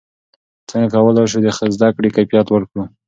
څنګه کولای سو د زده کړې کیفیت لوړ کړو؟